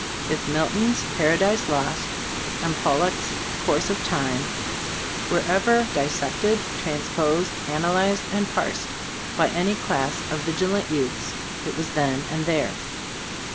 If Milton's "Paradise Lost," and Pollok's "Course of Time" were ever dissected, transposed, ana lyzed and "parsed" by any class of vigilant youths, it was then and there.